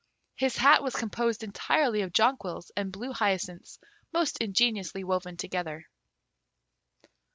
His hat was composed entirely of jonquils and blue hyacinths most ingeniously woven together.